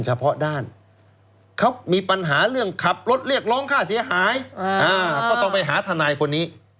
เฉพาะด้านเขามีปัญหาเรื่องขับรถเรียกร้องค่าเสียหายก็ต้องไปหาทนายคนนี้